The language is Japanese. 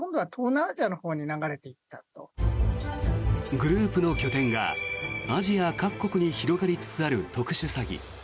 グループの拠点がアジア各国に広がりつつある特殊詐欺。